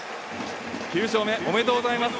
９勝目、おめでとうございます。